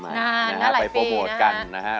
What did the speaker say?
ไปโปรโมทกันนะครับ